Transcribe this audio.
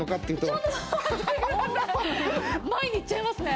前に行っちゃいますね。